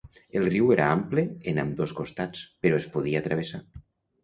El riu era ample en ambdós costats, però es podia travessar.